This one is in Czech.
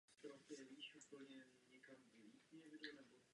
Nenechme se obviňovat z laciného populismu a xenofobie.